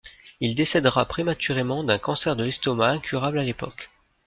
Il décédera prématurément d'un cancer de l'estomac incurable à l'époque.